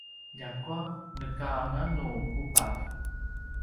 ljakua nekanganu kubav